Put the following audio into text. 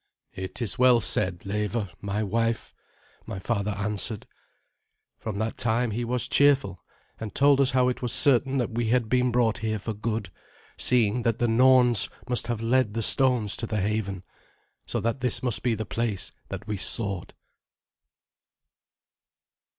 "It is well said, Leva, my wife," my father answered. From that time he was cheerful, and told us how it was certain that we had been brought here for good, seeing that the Norns must have led the stones to the haven, so that this must be the place that we sought.